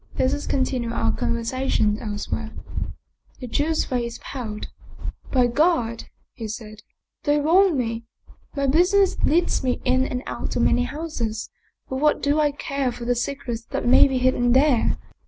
Let us continue our conversation else where." The Jew's face paled. " By God !" he said, " they wrong me. My business leads me in and out of many houses; but what do I care for the secrets that may be hidden there?